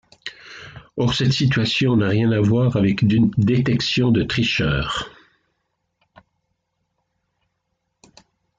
Or cette situation n'a rien à voir avec une détection de tricheur.